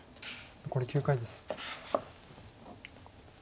残り９回です。